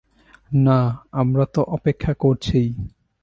না, আমরা তো অপেক্ষা করছিই।